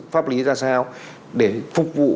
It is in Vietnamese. pháp lý ra sao để phục vụ